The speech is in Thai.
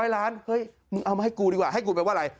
ล้านเฮ้ยมึงเอามาให้กูดีกว่าให้กูแปลว่าอะไร